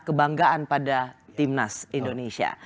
kebanggaan pada timnas indonesia